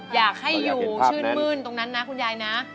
อยากให้อยู่ชื่นมื้นตรงนั้นนะคุณยายนะ